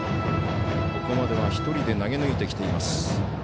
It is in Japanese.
ここまでは１人で投げ抜いてきています。